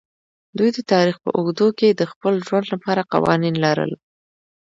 دوی د تاریخ په اوږدو کې د خپل ژوند لپاره قوانین لرل.